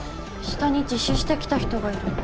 下に自首して来た人がいる。